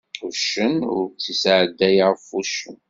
Uccen ur tt-isɛedday ɣef uccen.